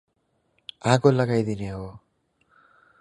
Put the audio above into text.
आगो लगाइदिने हो ।